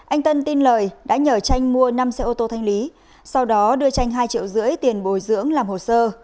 anh tân tin lời đã nhờ tranh mua năm xe ô tô thanh lý sau đó đưa tranh hai triệu rưỡi tiền bồi dưỡng làm hồ sơ